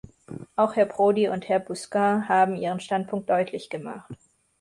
Auch Herr Prodi und Herr Busquin haben ihren Standpunkt deutlich gemacht.